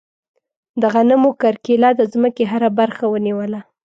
د غنمو کرکیله د ځمکې هره برخه ونیوله.